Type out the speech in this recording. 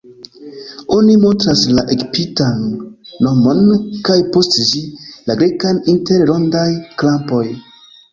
Oni montras la egiptan nomon, kaj, post ĝi, la grekan inter rondaj-krampoj.